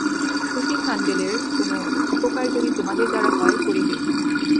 শশী সাণ্ডেলের কোন উপকার যদি তোমাদের দ্বারা হয়, করিবে।